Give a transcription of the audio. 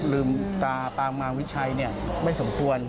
ลืมตาปางมางวิชัยเนี่ยไม่สมตวน